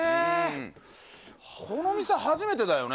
この店初めてだよね。